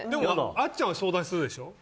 あっちゃんは相談するでしょ。